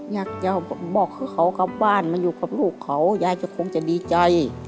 อยากจะบอกให้เขากลับบ้านมาอยู่กับลูกเขายายก็คงจะดีใจ